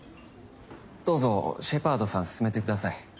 どうぞシェパードさん進めてください。